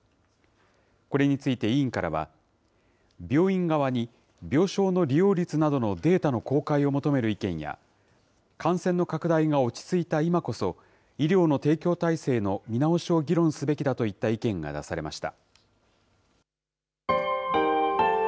これについて委員からは、病院側に病床の利用率などのデータの公開を求める意見や、感染の拡大が落ち着いた今こそ、医療の提供体制の見直しを議論すべきだといった意見が出されました。